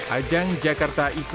ajang jakarta e tiga sirkuit anco